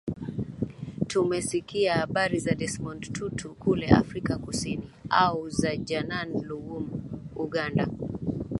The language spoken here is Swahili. Tumesikia habari za Desmond Tutu kule Afrika Kusini au za Janani Luwum Uganda